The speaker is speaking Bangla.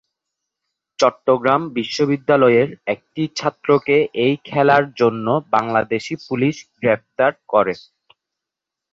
চট্টগ্রাম বিশ্ববিদ্যালয়ের একটি ছাত্রকে এই খেলার জন্য বাংলাদেশী পুলিশ গ্রেফতার করে।